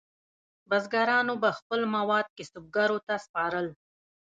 بزګرانو به خپل مواد کسبګرو ته سپارل.